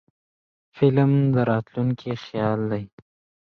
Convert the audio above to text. فلم د راتلونکي خیال دی